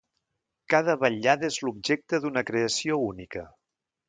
Cada vetllada és l'objecte d'una creació única.